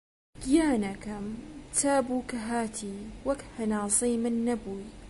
گیانەکەم! چابوو کە هاتی، وەک هەناسەی من نەبووی